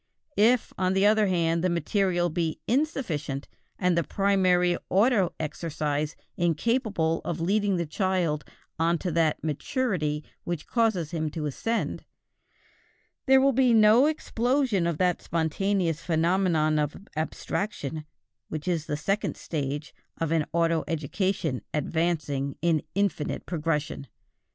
If, on the other hand, the material be insufficient, and the primary auto exercise incapable of leading the child on to that maturity which causes him to ascend, there will be no explosion of that spontaneous phenomenon of abstraction which is the second stage of an auto education advancing in infinite progression.